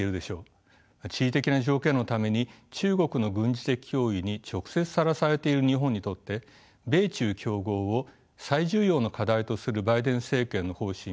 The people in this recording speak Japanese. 地理的な条件のために中国の軍事的脅威に直接さらされている日本にとって米中競合を最重要の課題とするバイデン政権の方針は望ましいものです。